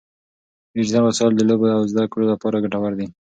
ډیجیټل وسایل د لوبو او زده کړو لپاره ګټور دي.